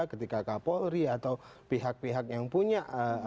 ketika kapolri atau pihak pihak yang punya